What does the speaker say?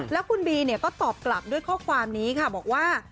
แล้วคุณบีก็ตอบกลับด้วยข้อความนี้ค่ะบอกว่า